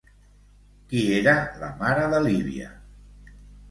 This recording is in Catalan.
Qui era la mare de Líbia?